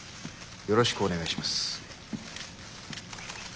よろしくお願いします。